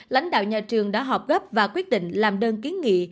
lãnh đạo nhà trường đã họp gấp và quyết định làm đơn kiến nghị